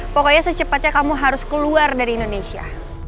pokoknya secepatnya kamu harus keluar dari indonesia